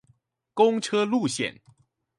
公車路線